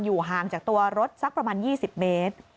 ห่างจากตัวรถสักประมาณ๒๐เมตร